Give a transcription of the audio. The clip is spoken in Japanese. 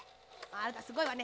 あなたすごいわね。